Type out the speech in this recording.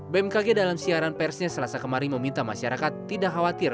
bmkg dalam siaran persnya selasa kemarin meminta masyarakat tidak khawatir